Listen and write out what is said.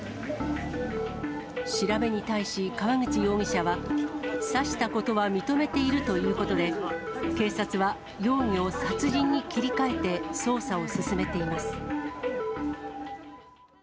調べに対し川口容疑者は、刺したことは認めているということで、警察は容疑を殺人に切り替えて捜査を進めています。